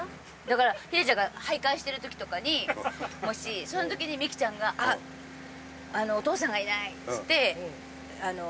だからヒデちゃんが徘徊してる時とかにもしその時にみきちゃんが「あっお父さんがいない」っつってあの。